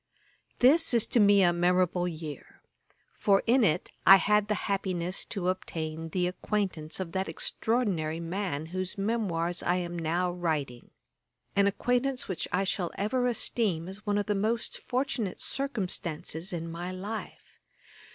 ] This is to me a memorable year; for in it I had the happiness to obtain the acquaintance of that extraordinary man whose memoirs I am now writing; an acquaintance which I shall ever esteem as one of the most fortunate circumstances in my life.